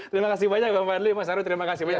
terima kasih banyak bapak adli mas haru terima kasih banyak